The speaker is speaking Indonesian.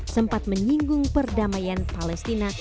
sempat menyinggung perdamaian palestina